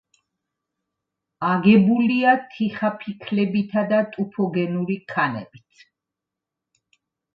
აგებულია თიხაფიქლებითა და ტუფოგენური ქანებით.